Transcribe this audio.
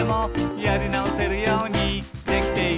「やりなおせるようにできている」